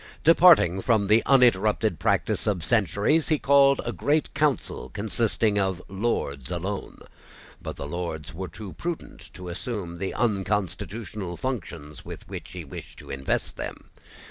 Departing from the uninterrupted practice of centuries, he called a Great Council consisting of Lords alone. But the Lords were too prudent to assume the unconstitutional functions with which he wished to invest them.